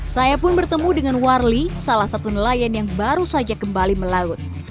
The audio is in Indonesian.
saya pun bertemu dengan warli salah satu nelayan yang baru saja kembali melaut